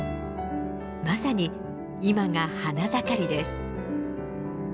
まさに今が花盛りです。